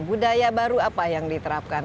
budaya baru apa yang diterapkan